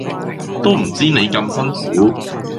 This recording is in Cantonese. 都唔知你咁辛苦